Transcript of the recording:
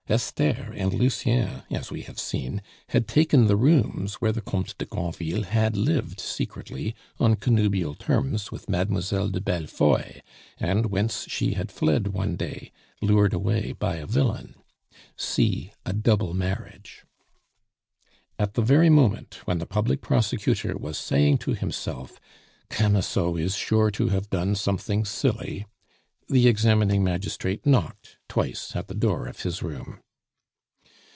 Esther and Lucien, as we have seen, had taken the rooms where the Comte de Granville had lived secretly on connubial terms with Mademoiselle de Bellefeuille, and whence she had fled one day, lured away by a villain. (See A Double Marriage.) At the very moment when the public prosecutor was saying to himself, "Camusot is sure to have done something silly," the examining magistrate knocked twice at the door of his room.